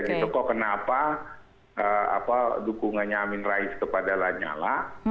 kok kenapa dukungannya amin rais kepada lanya lah